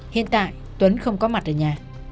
hiện tại tuấn không có mặt ở nhà